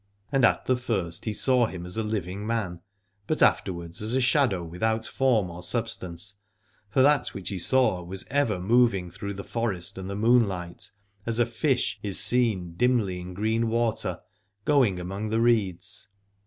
And at the first he saw him as a living man, but afterwards as a shadow without form or substance ; for that which he saw was ever 48 Aladorc moving through the forest and the moonlight, as a fish is seen dimly in green water, going among the reeds.